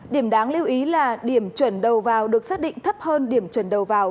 điểm đáng lưu ý là điểm chuẩn đầu vào được xác định thấp hơn điểm chuẩn đầu vào